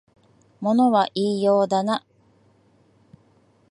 物は言いようだな